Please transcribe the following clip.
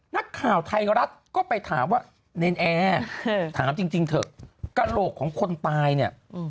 นักข่าวไทยรัฐก็ไปถามว่าเนรนแอร์ถามจริงเถอะกระโหลกของคนตายเนี่ย